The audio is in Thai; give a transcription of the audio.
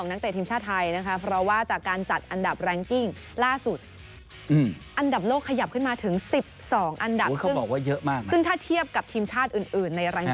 เดี๋ยวรอคุณซับเจน